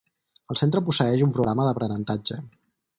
El Centre posseeix un programa d'aprenentatge.